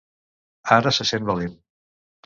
Ara se sent valent.